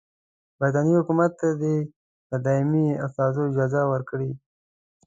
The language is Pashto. برټانیې حکومت ته دي د دایمي استازو اجازه ورکړي.